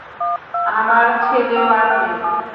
আমার ছেলেও আর নেই।